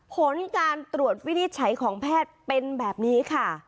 ผลการตรวจวินิจฉัยของแพทย์เป็นแบบนี้ค่ะ